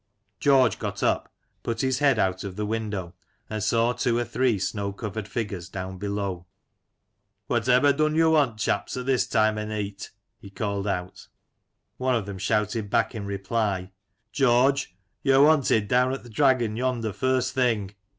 George got up, put his head out of the window, and saw two or three snow covered figures down below. " What ever dun yo want, chaps, at this time o' neet ?" he called out. One of them shouted back in reply :" George, yo're wanted down at th' Dragon yonder, first thing!"